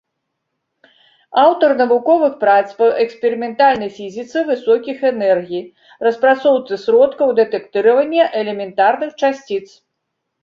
Аўтар навуковых прац па эксперыментальнай фізіцы высокіх энергій, распрацоўцы сродкаў дэтэктыравання элементарных часціц.